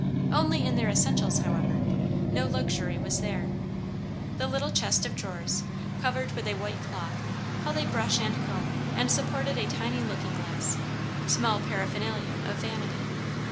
Only in their essentials, however; no luxury was there. The little chest of drawers, covered with a white cloth, held a brush and comb, and supported a tiny looking glass; small paraphernalia of vanity.